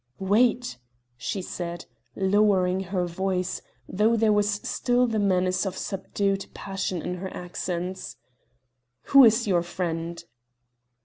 "Wait," she said, lowering her voice, though there was still the menace of subdued passion in her accents. "Who is your friend?"